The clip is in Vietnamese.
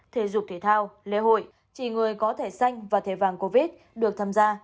thể dục thể thao lễ hội chỉ người có thẻ xanh và thẻ vàng covid được tham gia